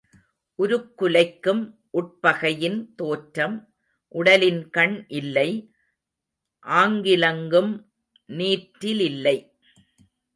உருக்குலைக்கும் உட்பகையின் தோற்றம் உடலின்கண் இல்லை, ஆங்கிலங்கும் நீற்றிலில்லை.